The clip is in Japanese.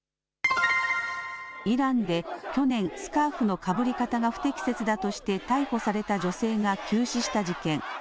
イランで去年、スカーフのかぶり方が不適切だとして逮捕された女性が急死した事件。